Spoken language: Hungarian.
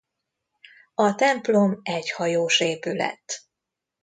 A templom egyhajós épület.